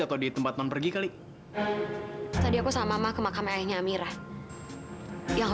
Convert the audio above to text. terima kasih ayah